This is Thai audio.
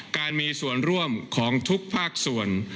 การมีส่วนร่วมของทุกภาคส่วน